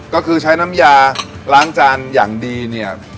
ก็คือใช้น้ำยาล้างจานอย่างดีเนี่ย